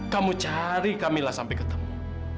kamu cari kamilah sampai ketemu